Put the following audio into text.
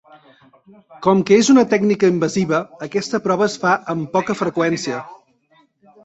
Com que és una tècnica invasiva, aquesta prova es fa amb poca freqüència.